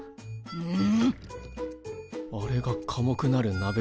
うん。